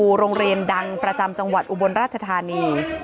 โรงเรียนดังประจำจังหวัดอุบลราชธานี